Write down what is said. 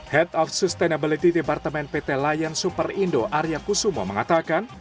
head of sustainability departemen pt lion super indo arya kusumo mengatakan